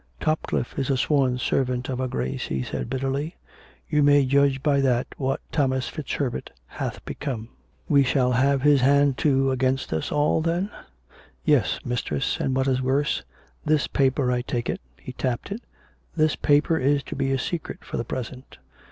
" Topcliffe is a sworn servant of her Grace," he said bitterly; "you may judge by that what Thomas FitzHer bert hath become." " We shall have his hand, too, against us all, then .f" "" Yes, mistress ; and, what is worse, this paper I take it —" (he tapped it) "this paper is to be. a secret for the present.